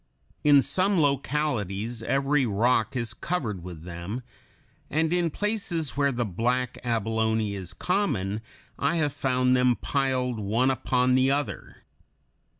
In some localities every rock is covered with them, and in places where the black abalone is common, I have found them piled one upon the other.